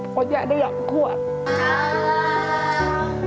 pokoknya ada yang kuat